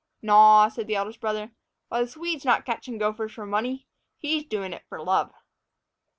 "Naw," said the eldest brother. "Why, th' Swede's not catchin' gophers for money; he's doin' it for love."